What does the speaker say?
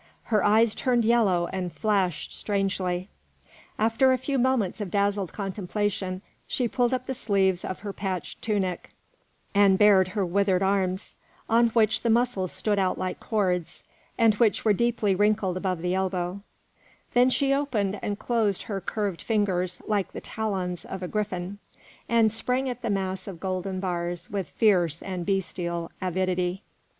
Her eyes turned yellow and flashed strangely. After a few moments of dazzled contemplation, she pulled up the sleeves of her patched tunic and bared her withered arms, on which the muscles stood out like cords, and which were deeply wrinkled above the elbow; then she opened and closed her curved fingers, like the talons of a griffin, and sprang at the mass of golden bars with fierce and bestial avidity.